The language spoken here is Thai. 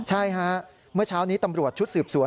ใช่ฮะเมื่อเช้านี้ตำรวจชุดสืบสวน